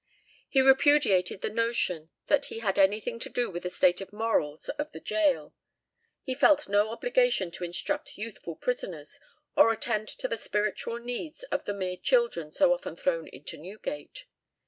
He repudiated the notion that he had anything to do with the state of morals of the gaol. He felt no obligation to instruct youthful prisoners, or attend to the spiritual needs of the mere children so often thrown into Newgate.